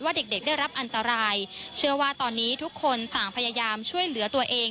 เด็กเด็กได้รับอันตรายเชื่อว่าตอนนี้ทุกคนต่างพยายามช่วยเหลือตัวเอง